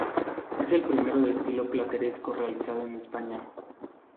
Es el primero de estilo plateresco realizado en España.